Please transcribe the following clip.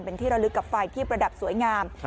เป็นที่ระลึกกับไฟที่ประดับสวยงาม